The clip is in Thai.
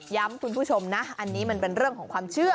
คุณผู้ชมนะอันนี้มันเป็นเรื่องของความเชื่อ